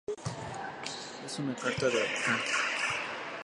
En una carta de ca.